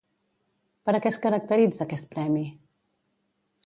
Per a què es caracteritza aquest premi?